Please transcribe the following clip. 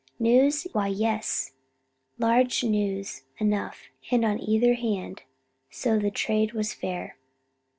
News? Why, yes, large news enough, and on either hand, so the trade was fair.